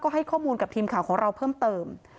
ให้ข้อมูลกับทีมข่าวของเราเพิ่มเติม